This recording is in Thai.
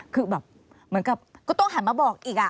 คือแบบก็ต้องหันมาบอกอีก